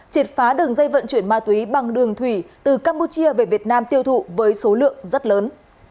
triệt phá đường dây vận chuyển ma túy bằng đường thủy từ campuchia về việt nam tiêu thụ với số lượng rất lớn